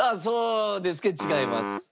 そうですけど違います。